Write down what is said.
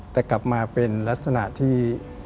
แต่กลับมาเป็นลักษณะที่